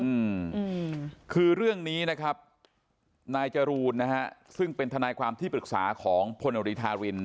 อืมคือเรื่องนี้นะครับนายจรูนนะฮะซึ่งเป็นทนายความที่ปรึกษาของพลโนรีธาริน